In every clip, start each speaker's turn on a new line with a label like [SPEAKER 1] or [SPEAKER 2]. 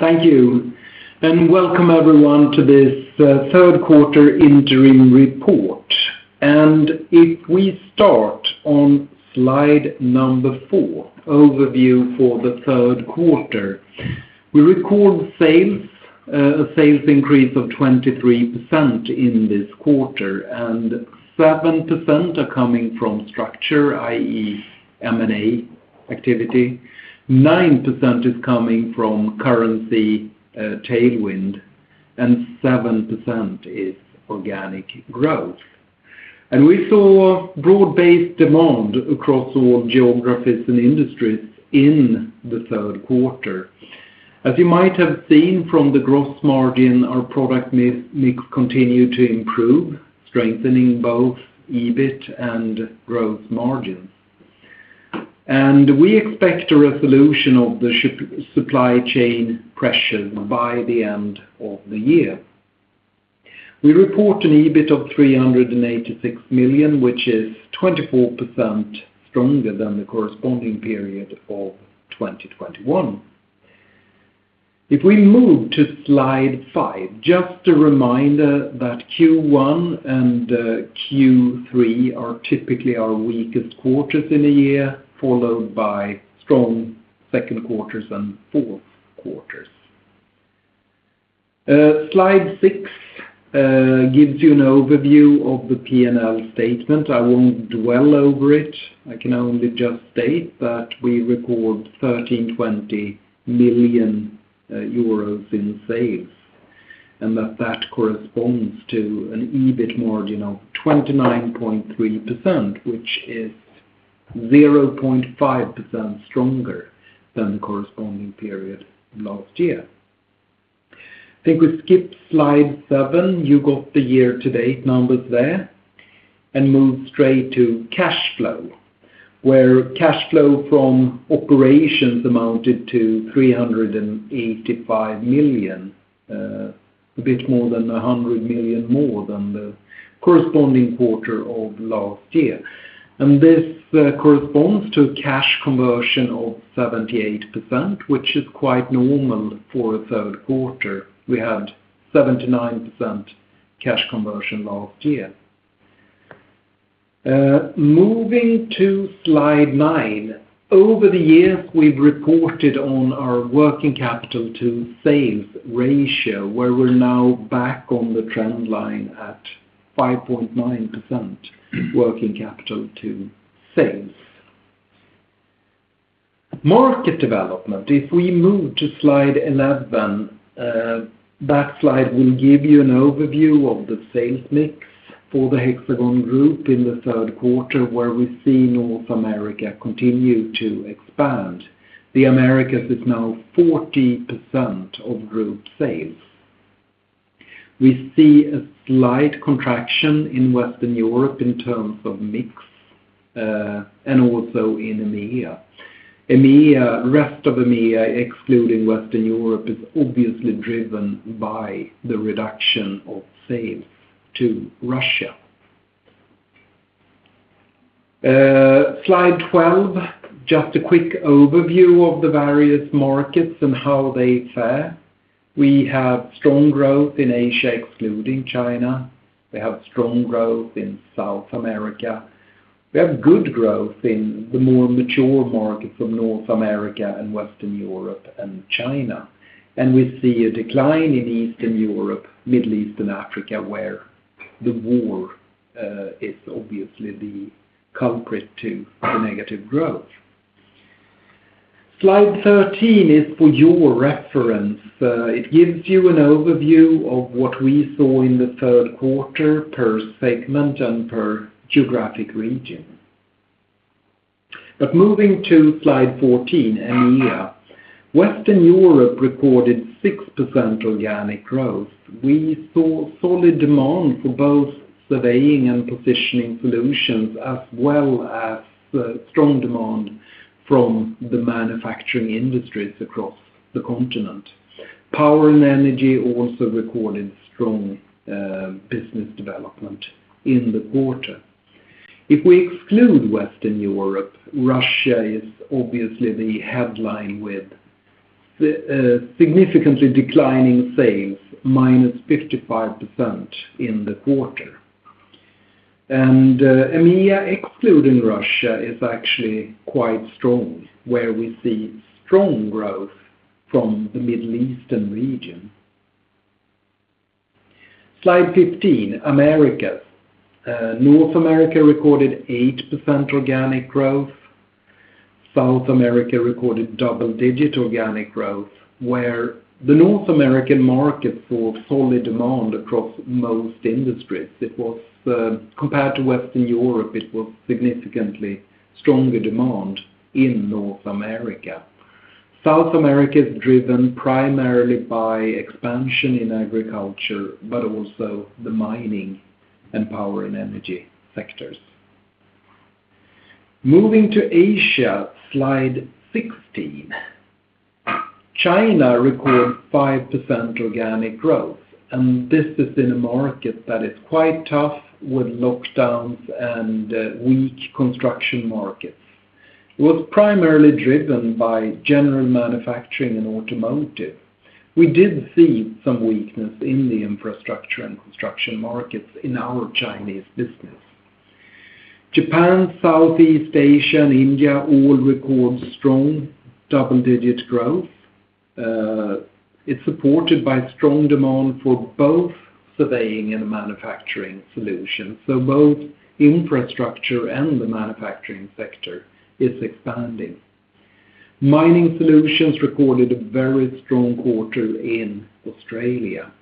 [SPEAKER 1] Thank you, and welcome everyone to this third quarter interim report. If we start on slide number four, overview for the third quarter, we record sales increase of 23% in this quarter, and 7% are coming from acquisitions, i.e. M&A activity, 9% is coming from currency tailwind, and 7% is organic growth. We saw broad-based demand across all geographies and industries in the third quarter. As you might have seen from the gross margin, our product mix continued to improve, strengthening both EBIT and gross margin. We expect a resolution of the chip supply chain pressure by the end of the year. We report an EBIT of 386 million, which is 24% stronger than the corresponding period of 2021. If we move to slide five, just a reminder that Q1 and Q3 are typically our weakest quarters in a year, followed by strong second quarters and fourth quarters. Slide six gives you an overview of the P&L statement. I won't dwell over it. I can only just state that we record 1,320 million euros in sales, and that corresponds to an EBIT margin of 29.3%, which is 0.5% stronger than the corresponding period last year. I think we skip slide seven, you got the year-to-date numbers there, and move straight to cash flow, where cash flow from operations amounted to 385 million, a bit more than 100 million more than the corresponding quarter of last year. This corresponds to cash conversion of 78%, which is quite normal for a third quarter. We had 79% cash conversion last year. Moving to slide nine. Over the years, we've reported on our working capital to sales ratio, where we're now back on the trend line at 5.9% working capital to sales. Market development. If we move to slide 11, that slide will give you an overview of the sales mix for the Hexagon Group in the third quarter, where we see North America continue to expand. The Americas is now 40% of group sales. We see a slight contraction in Western Europe in terms of mix, and also in EMEA. EMEA, rest of EMEA, excluding Western Europe, is obviously driven by the reduction of sales to Russia. Slide 12, just a quick overview of the various markets and how they fare. We have strong growth in Asia, excluding China. We have strong growth in South America. We have good growth in the more mature markets of North America and Western Europe and China. We see a decline in Eastern Europe, Middle East and Africa, where the war is obviously the culprit to the negative growth. Slide 13 is for your reference. It gives you an overview of what we saw in the third quarter per segment and per geographic region. Moving to slide 14, EMEA. Western Europe recorded 6% organic growth. We saw solid demand for both surveying and positioning solutions, as well as strong demand from the manufacturing industries across the continent. Power and energy also recorded strong business development in the quarter. If we exclude Western Europe, Russia is obviously the headline, with significantly declining sales, -55% in the quarter. EMEA, excluding Russia, is actually quite strong, where we see strong growth from the Middle Eastern region. Slide 15, Americas. North America recorded 8% organic growth. South America recorded double-digit organic growth, where the North American market saw solid demand across most industries. It was compared to Western Europe, it was significantly stronger demand in North America. South America is driven primarily by expansion in agriculture, but also the mining and power and energy sectors. Moving to Asia, slide 16. China records 5% organic growth, and this is in a market that is quite tough with lockdowns and weak construction markets. It was primarily driven by general manufacturing and automotive. We did see some weakness in the infrastructure and construction markets in our Chinese business. Japan, Southeast Asia, and India all record strong double-digit growth. It's supported by strong demand for both surveying and manufacturing solutions. Both infrastructure and the manufacturing sector is expanding. Mining Solutions recorded a very strong quarter in Australia.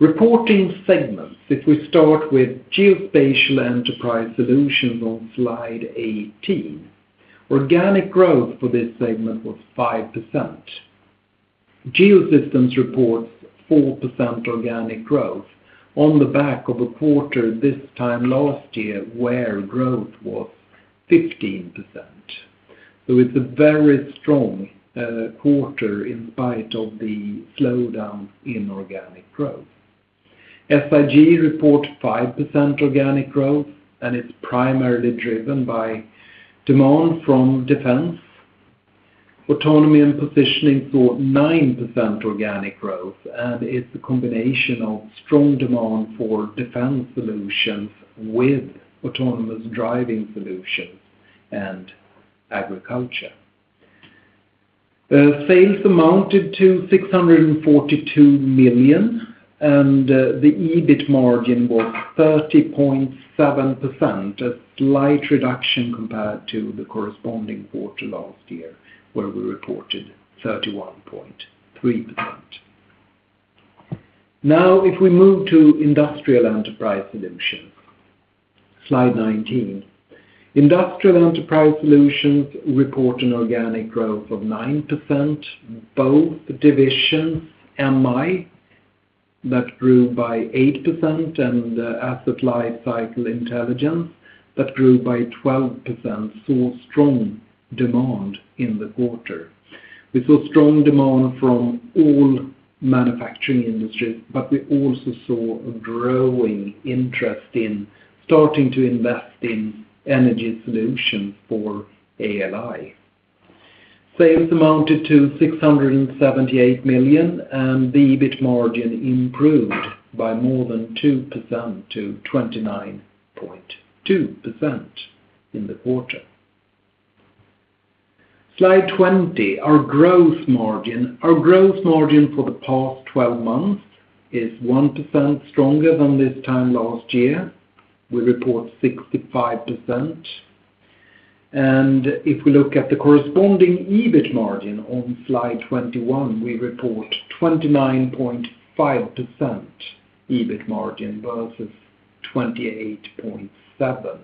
[SPEAKER 1] Reporting segments. If we start with Geospatial Enterprise Solutions on slide 18, organic growth for this segment was 5%. Geosystems reports 4% organic growth on the back of a quarter this time last year where growth was 15%. It's a very strong quarter in spite of the slowdown in organic growth. SIG reports 5% organic growth, and it's primarily driven by demand from defense. Autonomy & Positioning saw 9% organic growth, and it's a combination of strong demand for defense solutions with autonomous driving solutions and agriculture. Sales amounted to 642 million, and the EBIT margin was 30.7%, a slight reduction compared to the corresponding quarter last year, where we reported 31.3%. Now, if we move to Industrial Enterprise Solutions, slide 19. Industrial Enterprise Solutions report an organic growth of 9%, both divisions, MI, that grew by 8%, and Asset Lifecycle Intelligence, that grew by 12%, saw strong demand in the quarter. We saw strong demand from all manufacturing industries, but we also saw a growing interest in starting to invest in energy solutions for ALI. Sales amounted to 678 million, and the EBIT margin improved by more than 2% to 29.2% in the quarter. Slide 20, our gross margin. Our growth margin for the past 12 months is 1% stronger than this time last year. We report 65%. If we look at the corresponding EBIT margin on slide 21, we report 29.5% EBIT margin versus 28.7%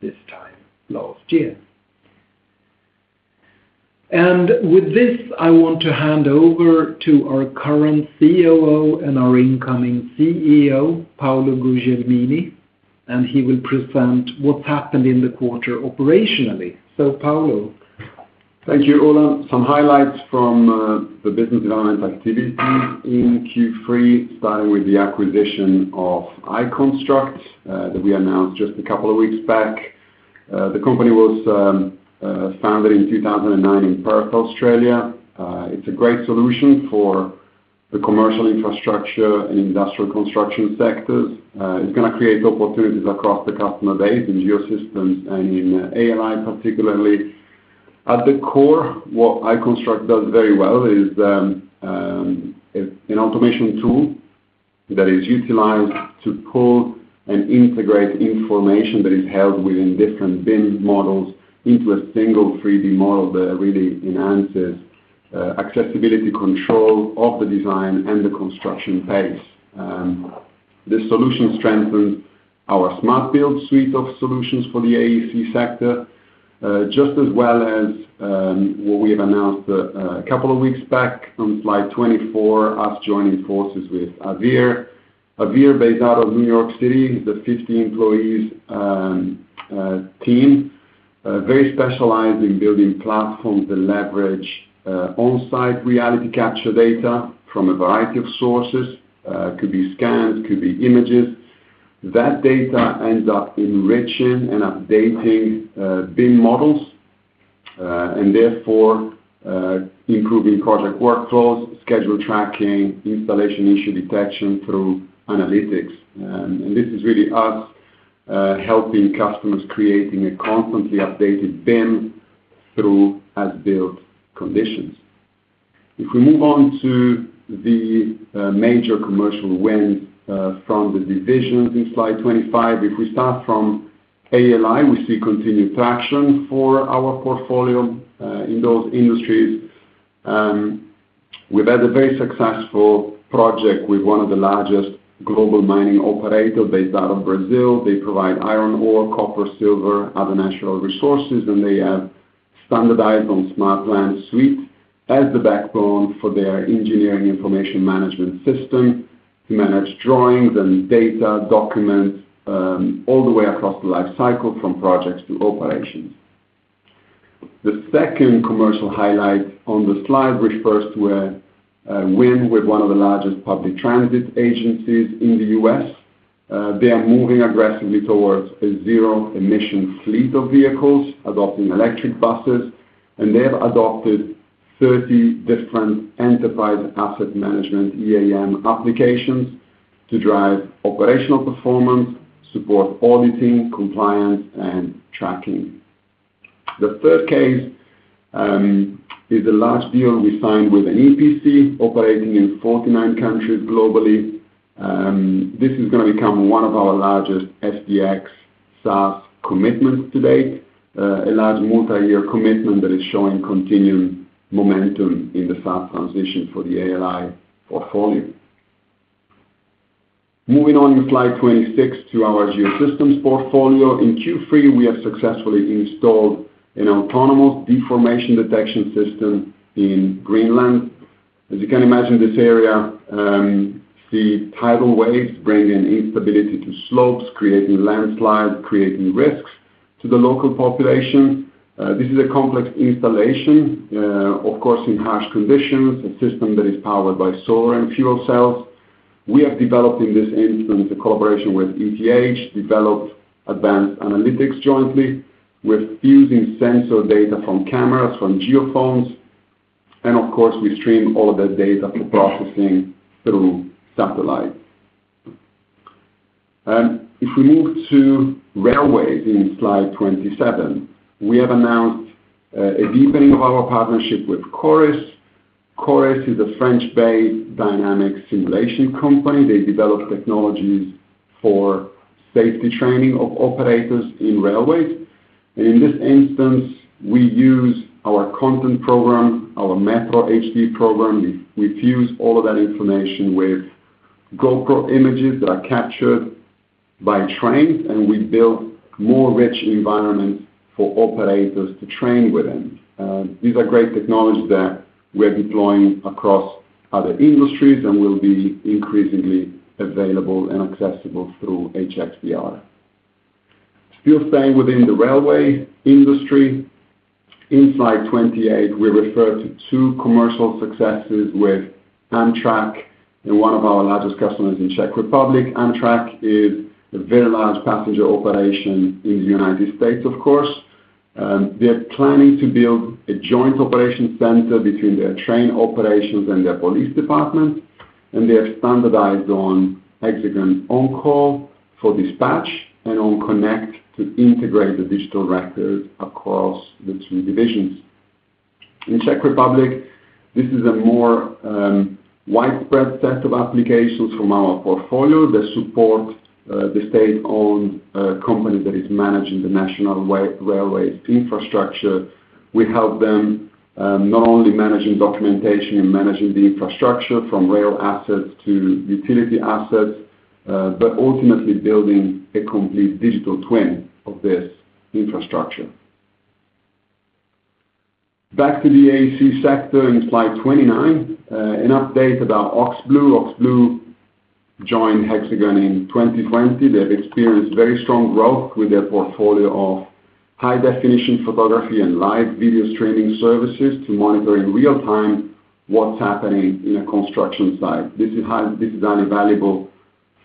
[SPEAKER 1] this time last year. With this, I want to hand over to our current COO and our incoming CEO, Paolo Guglielmini, and he will present what's happened in the quarter operationally. Paolo.
[SPEAKER 2] Thank you, Ola. Some highlights from the business development activities in Q3, starting with the acquisition of iConstruct that we announced just a couple of weeks back. The company was founded in 2009 in Perth, Australia. It's a great solution for the commercial infrastructure and industrial construction sectors. It's gonna create opportunities across the customer base in Geosystems and in ALI, particularly. At the core, what iConstruct does very well is an automation tool that is utilized to pull and integrate information that is held within different BIM models into a single 360 model that really enhances accessibility control of the design and the construction phase. This solution strengthens our Smart Build suite of solutions for the AEC sector, just as well as what we have announced a couple of weeks back on slide 24, us joining forces with Avvir. Avvir, based out of New York City, is a 50-employee team very specialized in building platforms that leverage on-site reality capture data from a variety of sources. Could be scans, could be images. That data ends up enriching and updating BIM models and therefore improving project workflows, schedule tracking, installation issue detection through analytics. This is really us helping customers creating a constantly updated BIM through as-built conditions. If we move on to the major commercial wins from the divisions in slide 25. If we start from ALI, we see continued traction for our portfolio in those industries. We've had a very successful project with one of the largest global mining operators based out of Brazil. They provide iron ore, copper, silver, other natural resources, and they have standardized on SmartPlant Suite as the backbone for their engineering information management system to manage drawings and data, documents, all the way across the life cycle from projects to operations. The second commercial highlight on the slide refers to a win with one of the largest public transit agencies in the U.S.. They are moving aggressively towards a zero-emission fleet of vehicles, adopting electric buses, and they have adopted 30 different enterprise asset management, EAM, applications to drive operational performance, support auditing, compliance, and tracking. The third case is a large deal we signed with an EPC operating in 49 countries globally. This is gonna become one of our largest SDx SaaS commitments to date. A large multi-year commitment that is showing continued momentum in the SaaS transition for the ALI portfolio. Moving on to slide 26 to our Geosystems portfolio. In Q3, we have successfully installed an autonomous deformation detection system in Greenland. As you can imagine, this area sees tidal waves bringing instability to slopes, creating landslides, creating risks to the local population. This is a complex installation, of course, in harsh conditions, a system that is powered by solar and fuel cells. We have developed, in this instance, a collaboration with ETH Zurich, developed advanced analytics jointly. We're fusing sensor data from cameras, from geophones, and of course, we stream all of that data for processing through satellite. If we move to railways in slide 27, we have announced a deepening of our partnership with CORYS. CORYS is a French-based dynamic simulation company. They develop technologies for safety training of operators in railways. In this instance, we use our content program, our Metro HD program. We fuse all of that information with GoPro images that are captured by trains, and we build more rich environments for operators to train within. These are great technologies that we're deploying across other industries and will be increasingly available and accessible through HxDR. Still staying within the railway industry, in slide 28, we refer to two commercial successes with Amtrak and one of our largest customers in Czech Republic. Amtrak is a very large passenger operation in the United States, of course. They're planning to build a joint operation center between their train operations and their police department, and they have standardized on HxGN OnCall for dispatch and on HxGN Connect to integrate the digital records across the two divisions. In Czech Republic, this is a more widespread set of applications from our portfolio that support the state-owned company that is managing the national railway infrastructure. We help them not only managing documentation and managing the infrastructure from rail assets to utility assets, but ultimately building a complete digital twin of this infrastructure. Back to the AEC sector in slide 29. An update about OxBlue. OxBlue joined Hexagon in 2020. They've experienced very strong growth with their portfolio of high-definition photography and live video streaming services to monitor in real-time what's happening in a construction site. This is highly valuable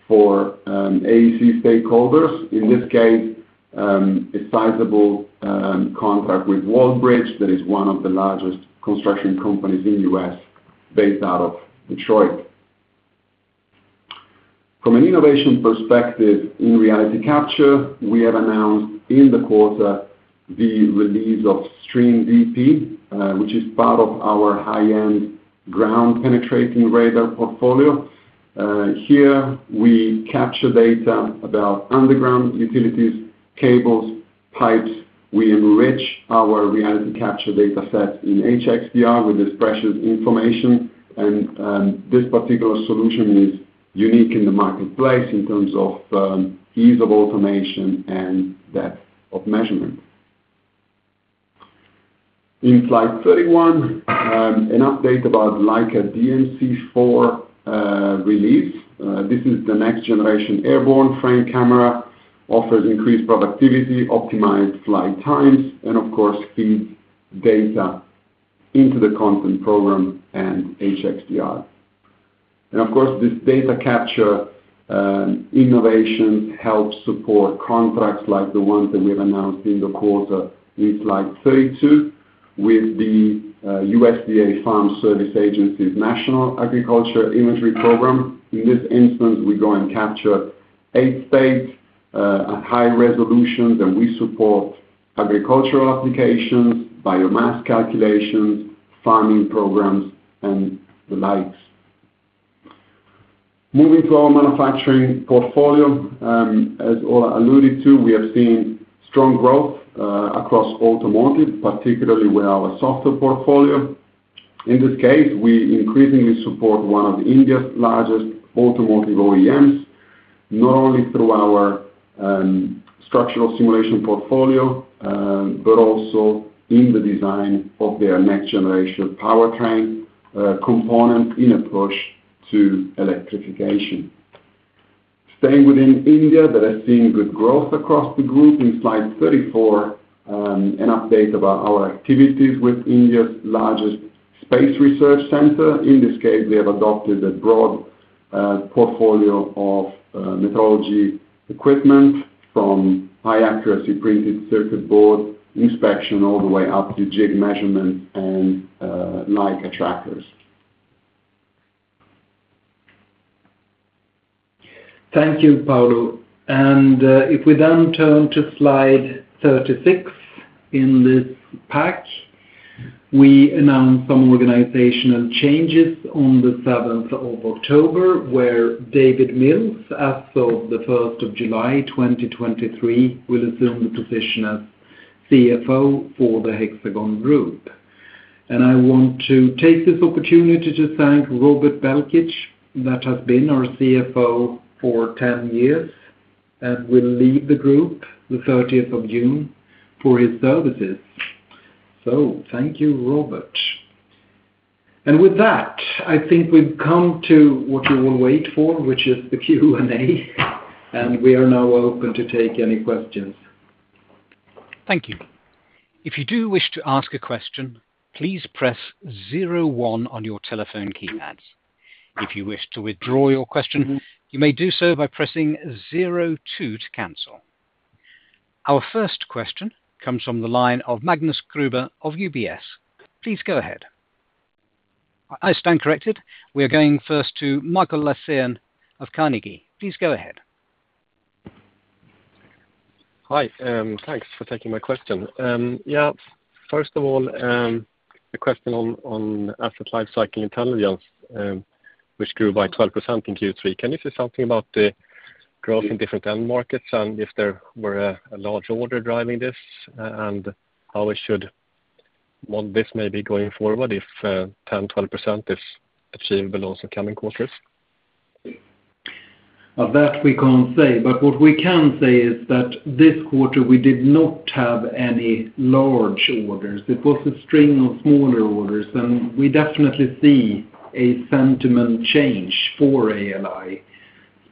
[SPEAKER 2] for AEC stakeholders. In this case, a sizable contract with Walbridge that is one of the largest construction companies in the U.S. based out of Detroit. From an innovation perspective in reality capture, we have announced in the quarter the release of Stream DP, which is part of our high-end ground-penetrating radar portfolio. Here we capture data about underground utilities, cables, pipes. We enrich our reality capture dataset in HxDR with this precious information, and this particular solution is unique in the marketplace in terms of ease of automation and depth of measurement. In slide 31, an update about Leica DMC-4 release. This is the next-generation airborne frame camera, offers increased productivity, optimized flight times, and of course, feeds data into the content program and HxDR. Of course, this data capture innovation helps support contracts like the ones that we have announced in the quarter in slide 32 with the USDA Farm Service Agency's National Agriculture Imagery Program. In this instance, we go and capture eight states at high resolution, then we support agricultural applications, biomass calculations, farming programs, and the likes. Moving to our manufacturing portfolio. As Ola alluded to, we have seen strong growth across automotive, particularly with our software portfolio. In this case, we increasingly support one of India's largest automotive OEMs, not only through our structural simulation portfolio, but also in the design of their next-generation powertrain component in a push to electrification. Staying within India that has seen good growth across the group in slide 34, an update about our activities with India's largest space research center. In this case, we have adopted a broad portfolio of metrology equipment from high accuracy printed circuit board inspection all the way up to jig measurements and laser trackers.
[SPEAKER 1] Thank you, Paolo. If we then turn to slide 36 in this pack, we announced some organizational changes on the 7th of October, where David Mills, as of the 1st of July 2023, will assume the position as CFO for the Hexagon Group. I want to take this opportunity to thank Robert Belkic, that has been our CFO for 10 years, and will leave the group the 30th of June for his services. Thank you, Robert. With that, I think we've come to what you all wait for, which is the Q&A, and we are now open to take any questions.
[SPEAKER 3] Thank you. If you do wish to ask a question, please press zero one on your telephone keypads. If you wish to withdraw your question, you may do so by pressing zero two to cancel. Our first question comes from the line of Magnus Kruber of UBS. Please go ahead. I stand corrected. We are going first to Mikael Laséen of Carnegie. Please go ahead.
[SPEAKER 4] Hi. Thanks for taking my question. Yeah, first of all, the question on Asset Lifecycle Intelligence, which grew by 12% in Q3. Can you say something about the growth in different end markets and if there were a large order driving this, and how we should view this maybe going forward if 10%-12% is achievable also coming quarters?
[SPEAKER 1] Of that we can't say, but what we can say is that this quarter we did not have any large orders. It was a string of smaller orders, and we definitely see a sentiment change for ALI,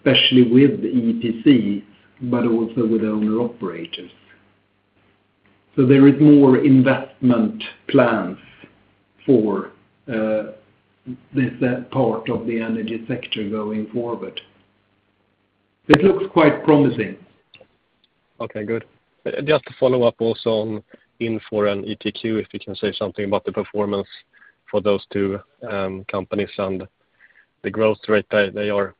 [SPEAKER 1] especially with EPC, but also with owner operators. There is more investment plans for, this, that part of the energy sector going forward. It looks quite promising.
[SPEAKER 4] Okay, good. Just to follow up also on Infor and ETQ, if you can say something about the performance for those two companies and the growth rate they are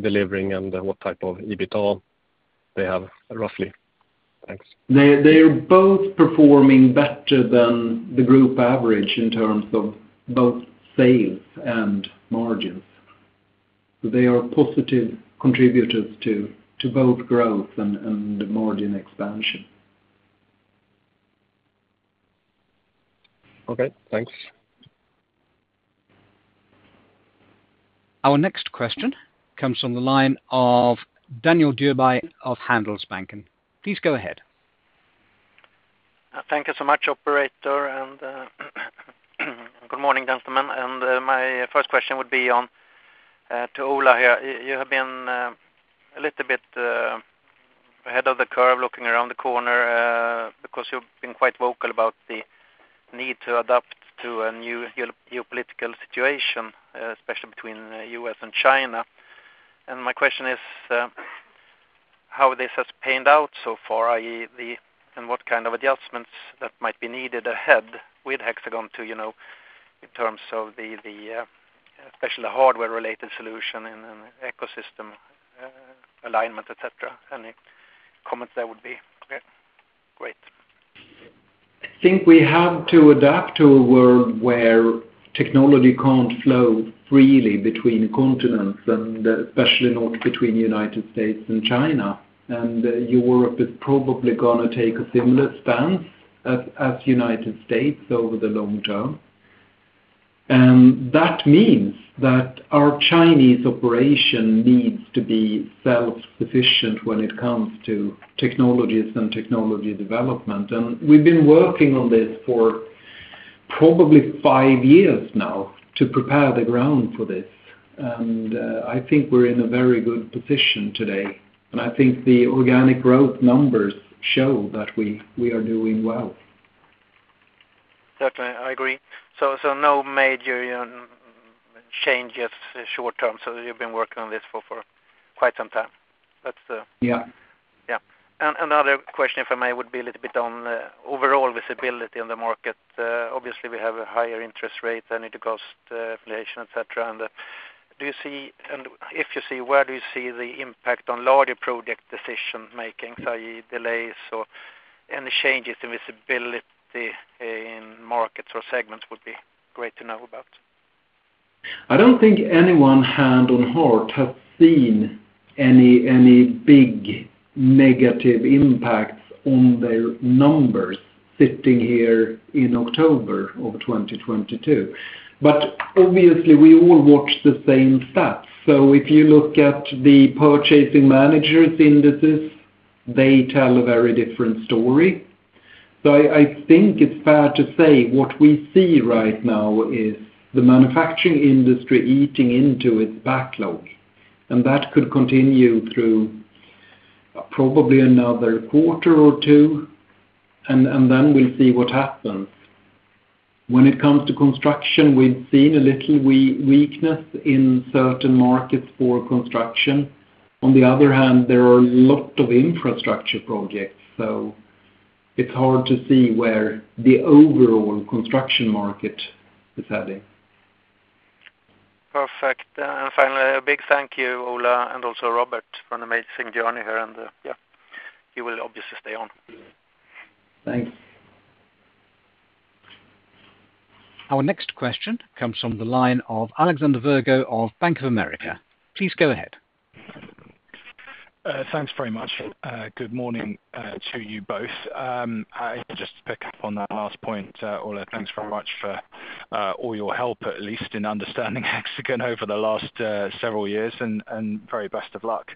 [SPEAKER 4] delivering and what type of EBITA they have, roughly. Thanks.
[SPEAKER 1] They are both performing better than the group average in terms of both sales and margins. They are positive contributors to both growth and margin expansion.
[SPEAKER 4] Okay, thanks.
[SPEAKER 3] Our next question comes from the line of Daniel Djurberg of Handelsbanken. Please go ahead.
[SPEAKER 5] Thank you so much, Operator, and good morning, gentlemen. My first question would be on to Ola here. You have been a little bit ahead of the curve looking around the corner because you've been quite vocal about the need to adapt to a new geopolitical situation, especially between U.S. and China. My question is how this has panned out so far, i.e., and what kind of adjustments that might be needed ahead with Hexagon to, you know, in terms of especially the hardware related solution and ecosystem alignment, et cetera. Any comments there would be great.
[SPEAKER 1] I think we have to adapt to a world where technology can't flow freely between continents, and especially not between United States and China. Europe is probably gonna take a similar stance as United States over the long term. That means that our Chinese operation needs to be self-sufficient when it comes to technologies and technology development. We've been working on this for probably five years now to prepare the ground for this. I think we're in a very good position today, and I think the organic growth numbers show that we are doing well.
[SPEAKER 5] Certainly, I agree. No major changes short-term. You've been working on this for quite some time.
[SPEAKER 1] Yeah.
[SPEAKER 5] Yeah. Another question, if I may, would be a little bit on overall visibility in the market. Obviously, we have a higher interest rate, energy cost, inflation, et cetera. Do you see, and if you see, where do you see the impact on larger project decision-making, i.e., delays or any changes in visibility in markets or segments would be great to know about.
[SPEAKER 1] I don't think anyone hand on heart has seen any big negative impacts on their numbers sitting here in October of 2022. Obviously we all watch the same stats. If you look at the purchasing managers indices, they tell a very different story. I think it's fair to say what we see right now is the manufacturing industry eating into its backlog, and that could continue through probably another quarter or two, and then we'll see what happens. When it comes to construction, we've seen a little weakness in certain markets for construction. On the other hand, there are a lot of infrastructure projects, so it's hard to see where the overall construction market is heading.
[SPEAKER 5] Perfect. Finally, a big thank you, Ola, and also Robert, for an amazing journey here and, yeah, you will obviously stay on.
[SPEAKER 1] Thanks.
[SPEAKER 3] Our next question comes from the line of Alexander Virgo of Bank of America. Please go ahead.
[SPEAKER 6] Thanks very much. Good morning to you both. Just to pick up on that last point, Ola, thanks very much for all your help, at least in understanding Hexagon over the last several years, and very best of luck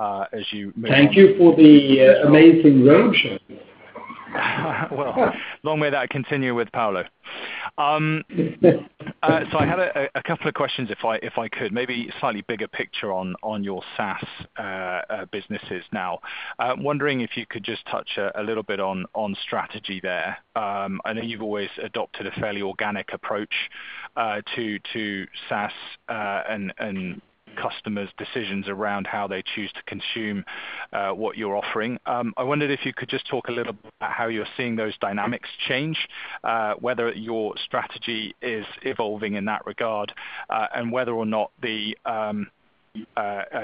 [SPEAKER 6] as you move on.
[SPEAKER 1] Thank you for the amazing roadshow.
[SPEAKER 6] I had a couple of questions, if I could, maybe slightly bigger picture on your SaaS businesses now. Wondering if you could just touch a little bit on strategy there. I know you've always adopted a fairly organic approach to SaaS and customers' decisions around how they choose to consume what you're offering. I wondered if you could just talk a little about how you're seeing those dynamics change, whether your strategy is evolving in that regard, and whether or not the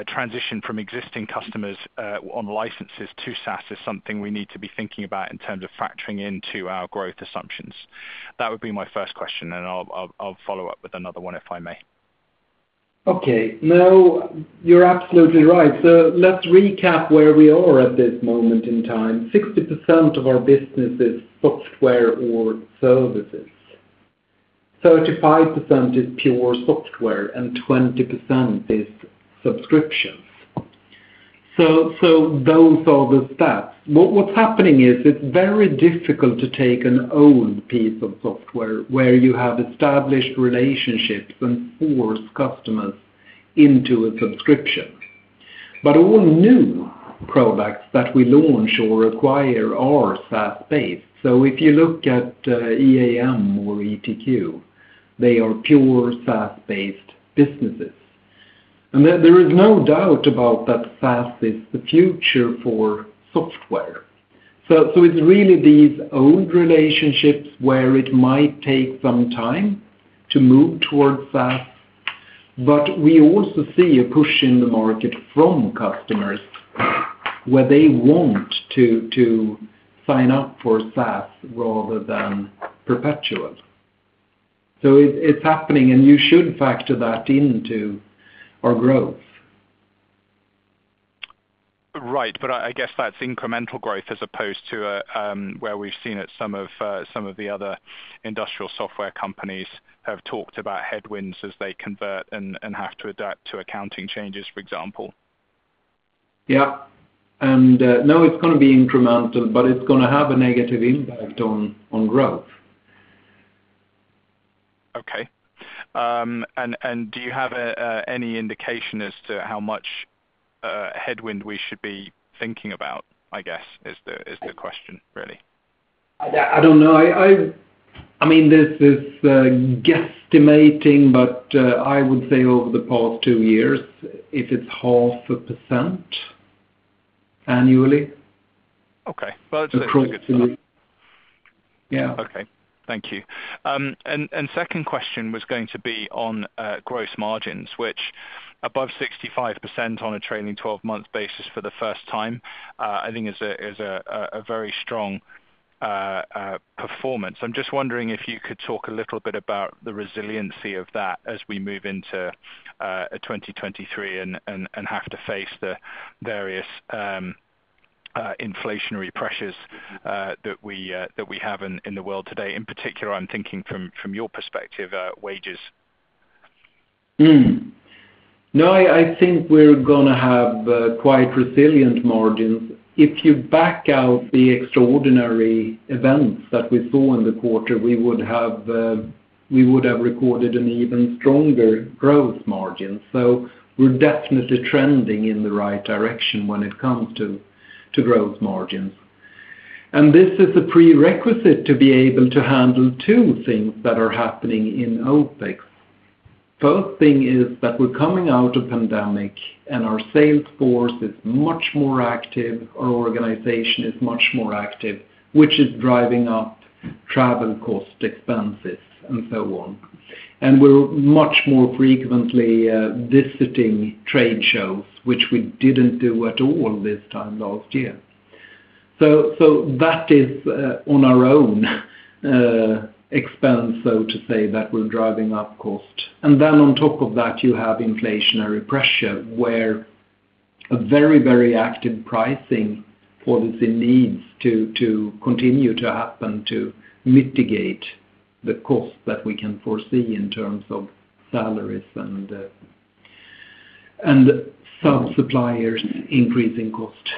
[SPEAKER 6] transition from existing customers on licenses to SaaS is something we need to be thinking about in terms of factoring into our growth assumptions. That would be my first question, and I'll follow up with another one, if I may.
[SPEAKER 1] Okay. No, you're absolutely right. Let's recap where we are at this moment in time. 60% of our business is software or services. 35% is pure software, and 20% is subscriptions. Those are the stats. What's happening is it's very difficult to take an old piece of software where you have established relationships and force customers into a subscription. All new products that we launch or acquire are SaaS-based. If you look at EAM or ETQ, they are pure SaaS-based businesses. There is no doubt about that SaaS is the future for software. It's really these old relationships where it might take some time to move towards SaaS, but we also see a push in the market from customers where they want to sign up for SaaS rather than perpetual. It's happening, and you should factor that into our growth.
[SPEAKER 6] Right. I guess that's incremental growth as opposed to where we've seen it, some of the other industrial software companies have talked about headwinds as they convert and have to adapt to accounting changes, for example.
[SPEAKER 1] No, it's gonna be incremental, but it's gonna have a negative impact on growth.
[SPEAKER 6] Okay. Do you have any indication as to how much headwind we should be thinking about, I guess? Is the question really?
[SPEAKER 1] I don't know. I mean, this is guesstimating, but I would say over the past two years, if it's half a percent annually.
[SPEAKER 6] Okay. Well, it's a good start.
[SPEAKER 1] Yeah.
[SPEAKER 6] Okay. Thank you. Second question was going to be on gross margins, which above 65% on a trailing twelve-month basis for the first time, I think is a very strong performance. I'm just wondering if you could talk a little bit about the resiliency of that as we move into 2023 and have to face the various inflationary pressures that we have in the world today. In particular, I'm thinking from your perspective, wages.
[SPEAKER 1] No, I think we're gonna have quite resilient margins. If you back out the extraordinary events that we saw in the quarter, we would have recorded an even stronger growth margin. We're definitely trending in the right direction when it comes to growth margins. This is a prerequisite to be able to handle two things that are happening in OpEx. First thing is that we're coming out of pandemic, and our sales force is much more active, our organization is much more active, which is driving up travel cost, expenses, and so on. We're much more frequently visiting trade shows, which we didn't do at all this time last year. That is on our own expense, so to say, that we're driving up cost. On top of that, you have inflationary pressure, where a very active pricing policy needs to continue to happen to mitigate the cost that we can foresee in terms of salaries and some suppliers increase in cost.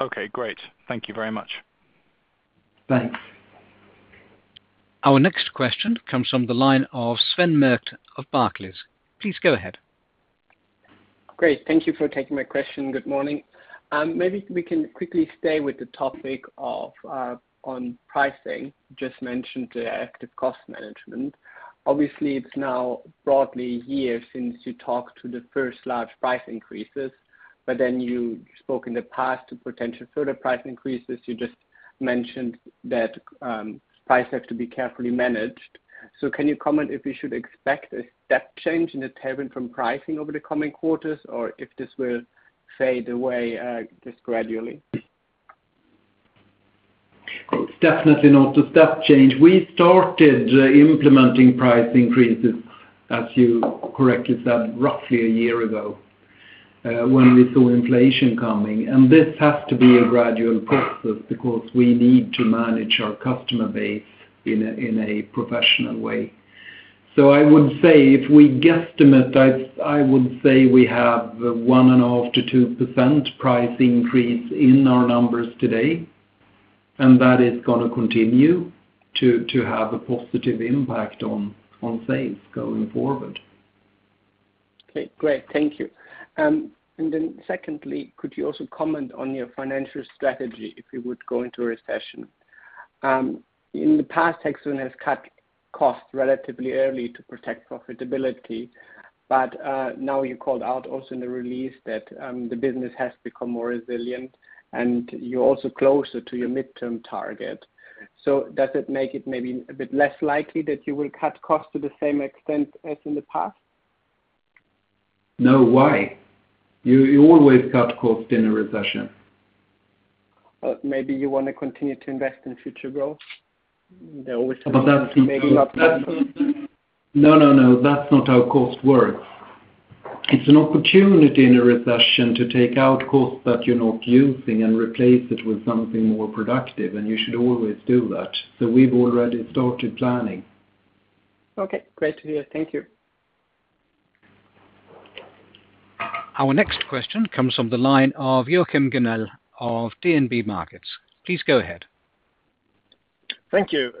[SPEAKER 7] Okay, great. Thank you very much.
[SPEAKER 1] Thanks.
[SPEAKER 3] Our next question comes from the line of Sven Merkt of Barclays. Please go ahead.
[SPEAKER 8] Great. Thank you for taking my question. Good morning. Maybe we can quickly stay with the topic of pricing. Just mentioned the active cost management. Obviously, it's now broadly a year since you talked about the first large price increases, but then you spoke in the past about potential further price increases. You just mentioned that prices have to be carefully managed. Can you comment if we should expect a step change in the turnover from pricing over the coming quarters or if this will fade away just gradually?
[SPEAKER 1] Definitely not a step change. We started implementing price increases, as you correctly said, roughly a year ago, when we saw inflation coming. This has to be a gradual process because we need to manage our customer base in a professional way. I would say if we guesstimate, I would say we have 1.5%-2% price increase in our numbers today, and that is gonna continue to have a positive impact on sales going forward.
[SPEAKER 8] Okay, great. Thank you. Secondly, could you also comment on your financial strategy if you would go into a recession? In the past, Hexagon has cut costs relatively early to protect profitability, but now you called out also in the release that the business has become more resilient and you're also closer to your midterm target. Does it make it maybe a bit less likely that you will cut costs to the same extent as in the past?
[SPEAKER 1] No. Why? You always cut costs in a recession.
[SPEAKER 8] Maybe you want to continue to invest in future growth? You're always talking about.
[SPEAKER 1] No, no, that's not how cost works. It's an opportunity in a recession to take out costs that you're not using and replace it with something more productive, and you should always do that. We've already started planning.
[SPEAKER 8] Okay, great to hear. Thank you.
[SPEAKER 3] Our next question comes from the line of Joachim Gunell of DNB Markets. Please go ahead.
[SPEAKER 9] Thank you.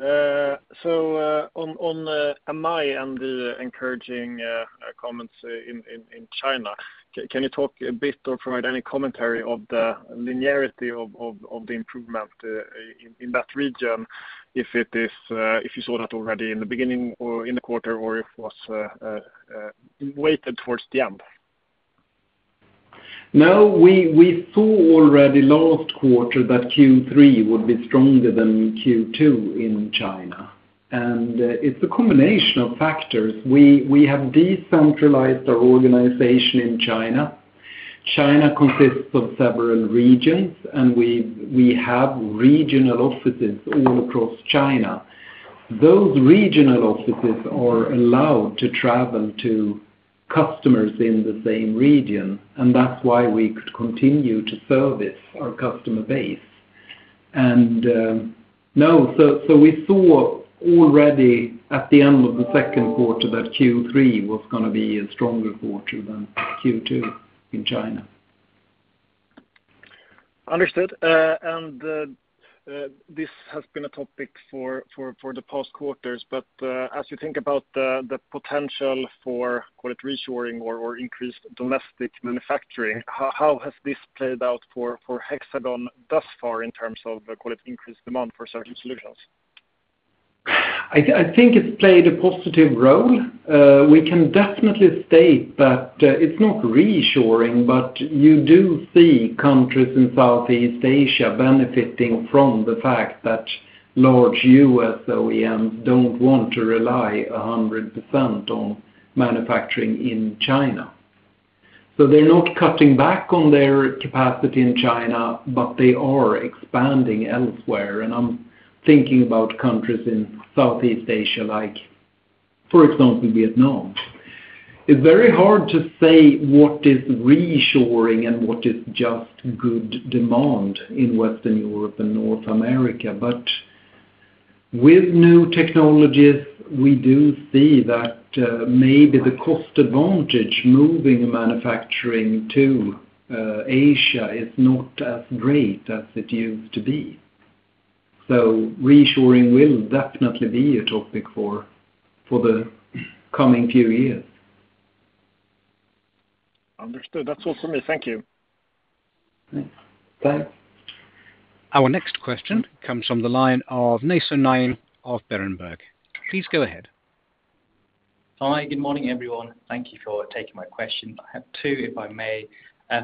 [SPEAKER 9] On MI and the encouraging comments in China, can you talk a bit or provide any commentary on the linearity of the improvement in that region, if you saw that already in the beginning or in the quarter or if it was weighted towards the end?
[SPEAKER 1] No, we saw already last quarter that Q3 would be stronger than Q2 in China, and it's a combination of factors. We have decentralized our organization in China. China consists of several regions, and we have regional offices all across China. Those regional offices are allowed to travel to customers in the same region, and that's why we could continue to service our customer base. We saw already at the end of the second quarter that Q3 was gonna be a stronger quarter than Q2 in China.
[SPEAKER 9] Understood. This has been a topic for the past quarters, but as you think about the potential for, call it reshoring or increased domestic manufacturing, how has this played out for Hexagon thus far in terms of, call it increased demand for certain solutions?
[SPEAKER 1] I think it's played a positive role. We can definitely state that it's not reshoring, but you do see countries in Southeast Asia benefiting from the fact that large U.S. OEMs don't want to rely 100% on manufacturing in China. They're not cutting back on their capacity in China, but they are expanding elsewhere, and I'm thinking about countries in Southeast Asia, like, for example, Vietnam. It's very hard to say what is reshoring and what is just good demand in Western Europe and North America. With new technologies, we do see that maybe the cost advantage moving manufacturing to Asia is not as great as it used to be. Reshoring will definitely be a topic for the coming few years.
[SPEAKER 9] Understood. That's all for me. Thank you.
[SPEAKER 1] Thanks.
[SPEAKER 3] Our next question comes from the line of Nay Soe Naing of Berenberg. Please go ahead.
[SPEAKER 10] Hi, good morning, everyone. Thank you for taking my question. I have two, if I may.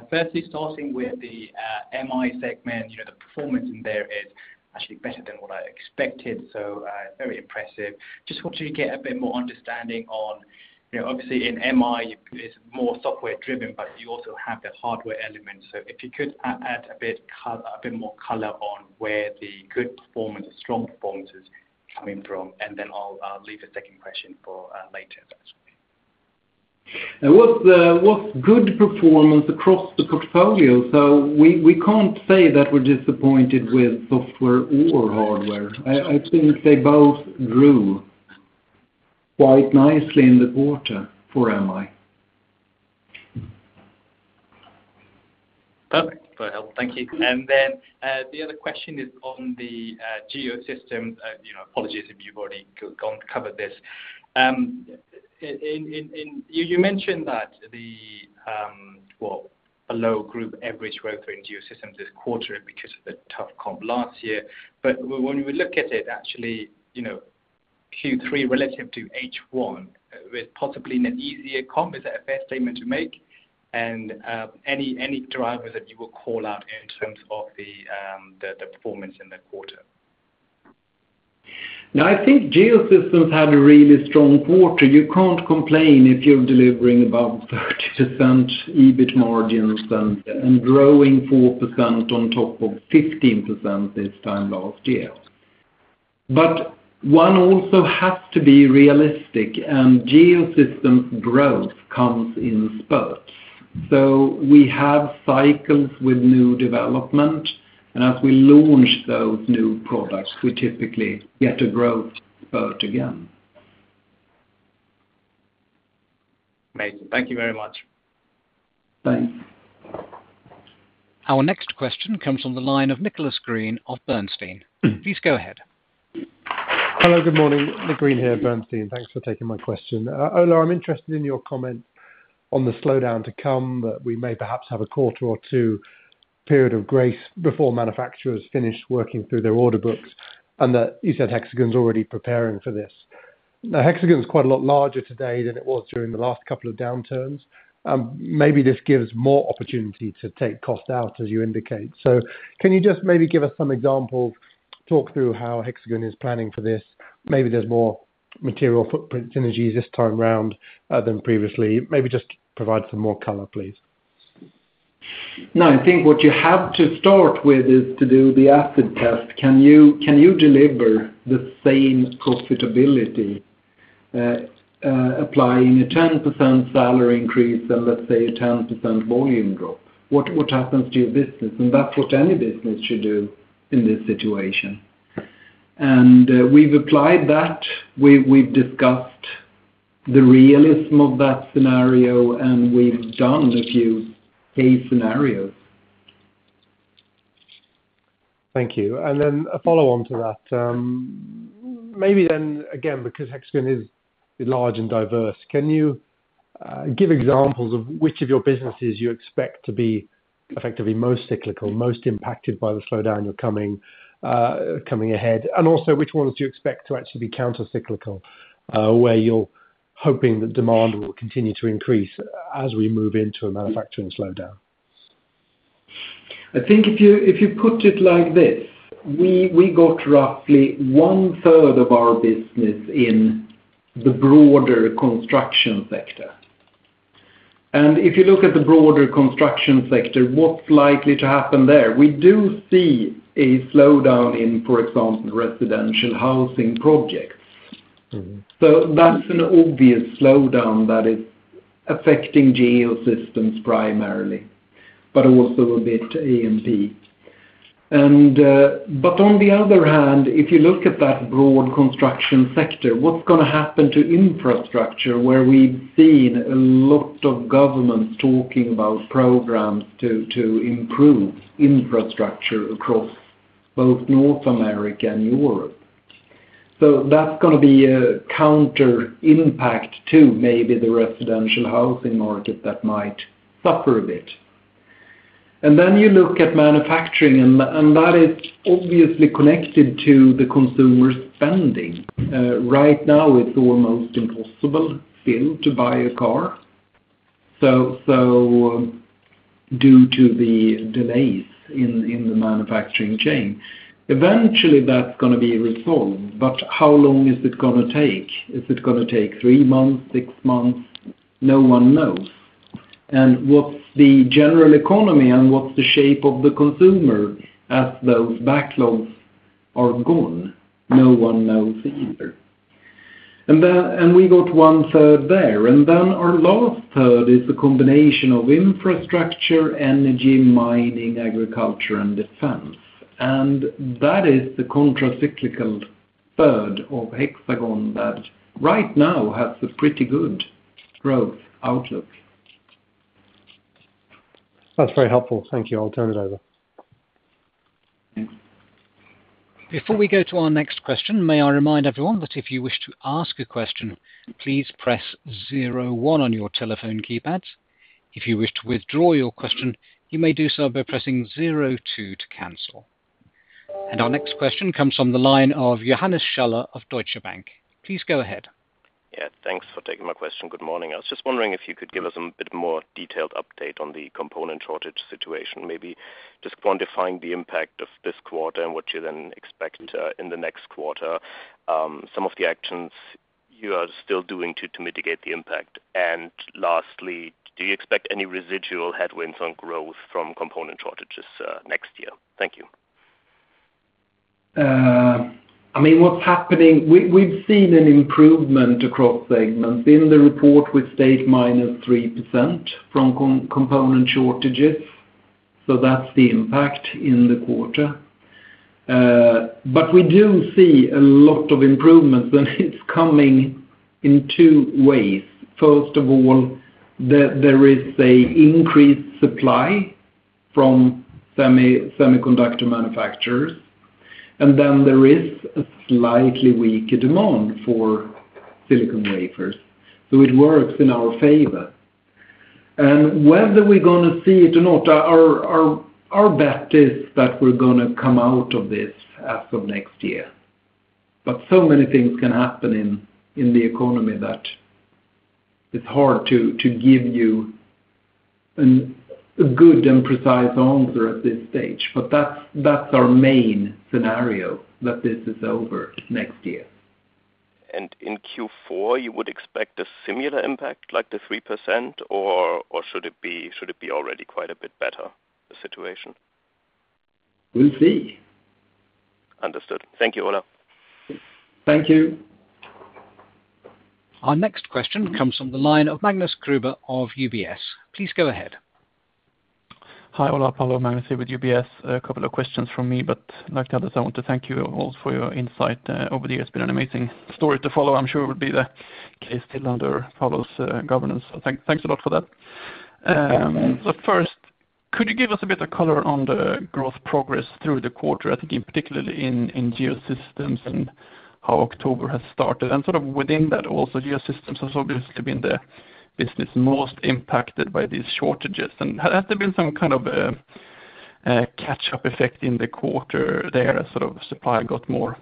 [SPEAKER 10] Firstly, starting with the MI segment, you know, the performance in there is actually better than what I expected, so very impressive. Just want you to get a bit more understanding on, you know, obviously in MI it's more software driven, but you also have the hardware element. So if you could add a bit more color on where the good performance or strong performance is coming from, and then I'll leave the second question for later.
[SPEAKER 1] It was good performance across the portfolio, so we can't say that we're disappointed with software or hardware. I think they both grew quite nicely in the quarter for MI.
[SPEAKER 10] Perfect. Well, thank you. Then, the other question is on the Geosystems. You know, apologies if you've already covered this. You mentioned that the well below group average growth in Geosystems this quarter because of the tough comp last year. When we look at it, actually, you know, Q3 relative to H1 with possibly an easier comp, is that a fair statement to make? Any driver that you will call out in terms of the performance in that quarter?
[SPEAKER 1] No, I think Geosystems had a really strong quarter. You can't complain if you're delivering above 30% EBIT margins and growing 4% on top of 15% this time last year. One also has to be realistic, and Geosystems growth comes in spurts. We have cycles with new development, and as we launch those new products, we typically get a growth spurt again.
[SPEAKER 10] Amazing. Thank you very much.
[SPEAKER 1] Thanks.
[SPEAKER 3] Our next question comes from the line of Nicholas Green of Bernstein. Please go ahead.
[SPEAKER 11] Hello, good morning. Nick Green here, Bernstein. Thanks for taking my question. Ola, I'm interested in your comment on the slowdown to come, that we may perhaps have a quarter or two period of grace before manufacturers finish working through their order books, and that you said Hexagon's already preparing for this. Now, Hexagon is quite a lot larger today than it was during the last couple of downturns, maybe this gives more opportunity to take costs out as you indicate. Can you just maybe give us some examples, talk through how Hexagon is planning for this? Maybe there's more material footprint synergies this time around, than previously. Maybe just provide some more color, please?
[SPEAKER 1] No, I think what you have to start with is to do the acid test. Can you deliver the same profitability, applying a 10% salary increase and let's say a 10% volume drop? What happens to your business? That's what any business should do in this situation. We've applied that. We've discussed the realism of that scenario, and we've done a few case scenarios.
[SPEAKER 11] Thank you. A follow-on to that. Maybe then again, because Hexagon is large and diverse, can you give examples of which of your businesses you expect to be effectively most cyclical, most impacted by the slowdown coming ahead? Also, which ones do you expect to actually be countercyclical, where you're hoping that demand will continue to increase as we move into a manufacturing slowdown?
[SPEAKER 1] I think if you put it like this, we got roughly one third of our business in the broader construction sector. If you look at the broader construction sector, what's likely to happen there? We do see a slowdown in, for example, residential housing projects.
[SPEAKER 11] Mm-hmm.
[SPEAKER 1] That's an obvious slowdown that is affecting Geosystems primarily, but also a bit A&P. On the other hand, if you look at that broad construction sector, what's gonna happen to infrastructure, where we've seen a lot of governments talking about programs to improve infrastructure across both North America and Europe? That's gonna be a counter impact to maybe the residential housing market that might suffer a bit. You look at manufacturing, and that is obviously connected to the consumer spending. Right now, it's almost impossible still to buy a car, so due to the delays in the manufacturing chain. Eventually, that's gonna be resolved, but how long is it gonna take? Is it gonna take three months, six months? No one knows. What's the general economy and what's the shape of the consumer as those backlogs are gone? No one knows either. We got one-third there. Our last third is the combination of infrastructure, energy, mining, agriculture, and defense. That is the countercyclical third of Hexagon that right now has a pretty good growth outlook.
[SPEAKER 11] That's very helpful. Thank you. I'll turn it over.
[SPEAKER 1] Mm-hmm.
[SPEAKER 3] Before we go to our next question, may I remind everyone that if you wish to ask a question, please press zero one on your telephone keypads. If you wish to withdraw your question, you may do so by pressing zero two to cancel. Our next question comes from the line of Johannes Schaller of Deutsche Bank. Please go ahead.
[SPEAKER 12] Yeah. Thanks for taking my question. Good morning. I was just wondering if you could give us a bit more detailed update on the component shortage situation, maybe just quantifying the impact of this quarter and what you then expect in the next quarter, some of the actions you are still doing to mitigate the impact. Lastly, do you expect any residual headwinds on growth from component shortages next year? Thank you.
[SPEAKER 1] I mean, what's happening, we've seen an improvement across segments. In the report, we state -3% from component shortages, so that's the impact in the quarter. We do see a lot of improvements, and it's coming in two ways. First of all, there is an increased supply from semiconductor manufacturers, and then there is a slightly weaker demand for silicon wafers. So it works in our favor. Whether we're gonna see it or not, our bet is that we're gonna come out of this as of next year. So many things can happen in the economy that it's hard to give you a good and precise answer at this stage. That's our main scenario, that this is over next year.
[SPEAKER 12] In Q4, you would expect a similar impact like the 3% or should it be already quite a bit better, the situation?
[SPEAKER 1] We'll see.
[SPEAKER 12] Understood. Thank you, Ola.
[SPEAKER 1] Thank you.
[SPEAKER 3] Our next question comes from the line of Magnus Kruber of UBS. Please go ahead.
[SPEAKER 7] Hi, Ola, Paolo. Magnus here with UBS. A couple of questions from me, but like the others, I want to thank you all for your insight over the years. Been an amazing story to follow. I'm sure it will be the case still under Paolo's governance. Thanks a lot for that. First, could you give us a bit of color on the growth progress through the quarter? I think particularly in Geosystems and how October has started. Sort of within that also, Geosystems has obviously been the business most impacted by these shortages. Has there been some kind of a catch-up effect in the quarter there as sort of supply got more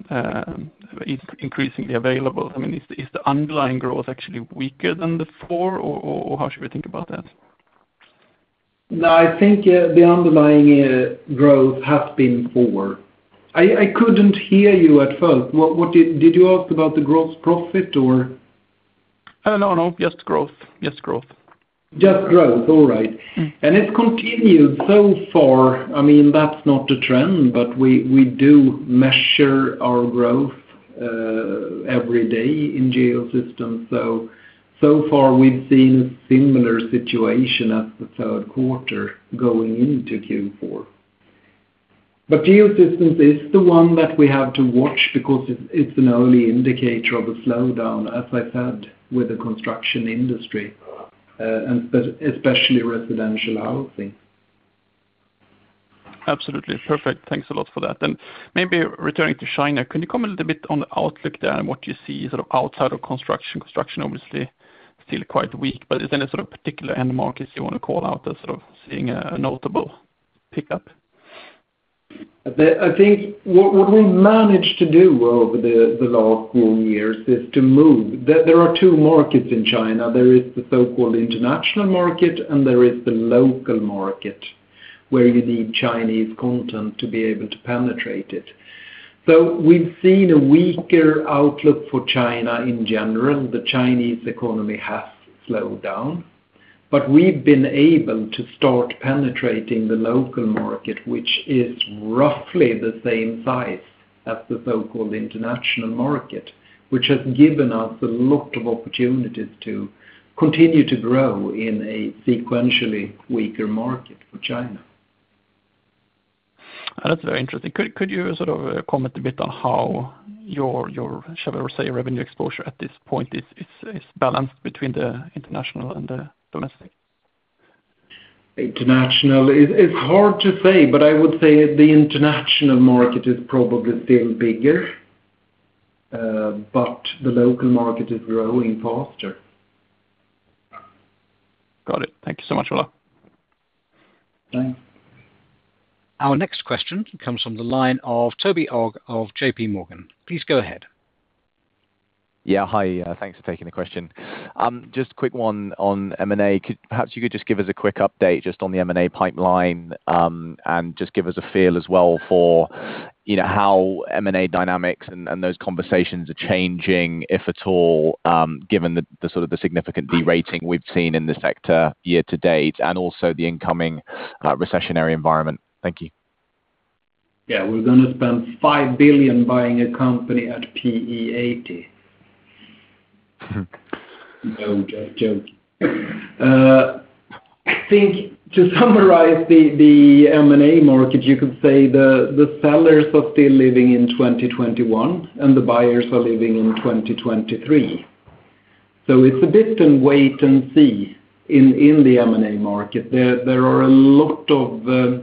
[SPEAKER 7] increasingly available? I mean, is the underlying growth actually weaker than before or how should we think about that?
[SPEAKER 1] No, I think the underlying growth has been poor. I couldn't hear you at first. Did you ask about the gross profit or?
[SPEAKER 7] No. Just growth.
[SPEAKER 1] Just growth. All right. It's continued so far. I mean, that's not a trend, but we do measure our growth every day in Geosystems. So far we've seen a similar situation as the third quarter going into Q4. Geosystems is the one that we have to watch because it's an early indicator of a slowdown, as I said, with the construction industry and especially residential housing.
[SPEAKER 7] Absolutely. Perfect. Thanks a lot for that. Maybe returning to China, can you comment a little bit on the outlook there and what you see sort of outside of construction? Construction, obviously, still quite weak, but is there any sort of particular end markets you wanna call out that's sort of seeing a notable pickup?
[SPEAKER 1] I think what we managed to do over the last four years is to move. There are two markets in China. There is the so-called international market, and there is the local market, where you need Chinese content to be able to penetrate it. We've seen a weaker outlook for China in general. The Chinese economy has slowed down, but we've been able to start penetrating the local market, which is roughly the same size as the so-called international market, which has given us a lot of opportunities to continue to grow in a sequentially weaker market for China.
[SPEAKER 7] That's very interesting. Could you sort of comment a bit on how your shall we say, revenue exposure at this point is balanced between the international and the domestic?
[SPEAKER 1] It's hard to say, but I would say the international market is probably still bigger, but the local market is growing faster.
[SPEAKER 7] Got it. Thank you so much, Ola.
[SPEAKER 1] Thanks.
[SPEAKER 3] Our next question comes from the line of Toby Ogg of JPMorgan. Please go ahead.
[SPEAKER 13] Yeah. Hi, thanks for taking the question. Just a quick one on M&A. Perhaps you could just give us a quick update just on the M&A pipeline, and just give us a feel as well for, you know, how M&A dynamics and those conversations are changing, if at all, given the sort of significant de-rating we've seen in the sector year-to-date and also the incoming recessionary environment. Thank you.
[SPEAKER 1] Yeah. We're gonna spend 5 billion buying a company at PE 80. No, joke. I think to summarize the M&A market, you could say the sellers are still living in 2021, and the buyers are living in 2023. It's a bit in wait and see in the M&A market. There are a lot of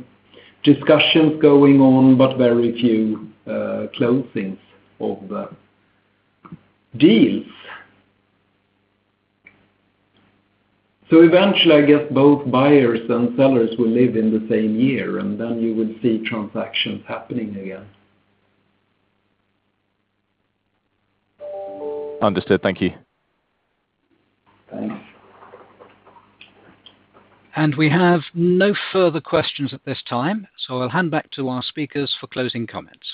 [SPEAKER 1] discussions going on but very few closings of deals. Eventually, I guess, both buyers and sellers will live in the same year, and then you will see transactions happening again.
[SPEAKER 13] Understood. Thank you.
[SPEAKER 1] Thanks.
[SPEAKER 3] We have no further questions at this time, so I'll hand back to our speakers for closing comments.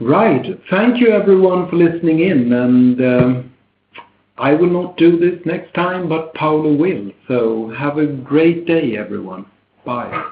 [SPEAKER 1] Right. Thank you everyone for listening in. I will not do this next time, but Paolo will. Have a great day, everyone. Bye.